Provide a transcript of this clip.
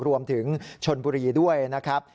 รวมถึงชนบุรีด้วยนะครับ